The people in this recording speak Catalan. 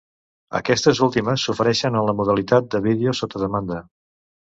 Aquestes últimes s'ofereixen en la modalitat de vídeo sota demanda.